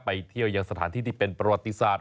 ไปเที่ยวยังสถานที่ที่เป็นประวัติศาสต